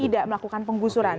tidak melakukan penggusuran